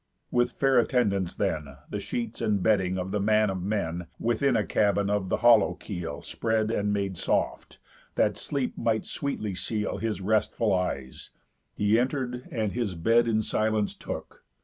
With fair attendants then, The sheets and bedding of the man of men, Within a cabin of the hollow keel, Spread, and made soft, that sleep might sweetly seel His restful eyes, he enter'd, and his bed In silence took.